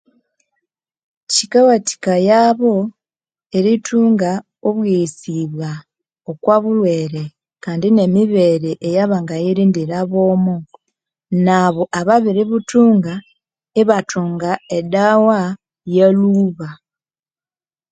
Kyikawatikayabo iritunga obwoghesibwa okwabulhwere kandi nemibere eyawangayirindira bwomo nabo ababiributunga ibatunga edawa yalhuba